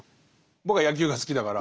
僕は野球が好きだから。